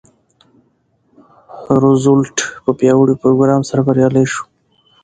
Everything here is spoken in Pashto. روزولټ په پیاوړي پروګرام سره بریالی شو.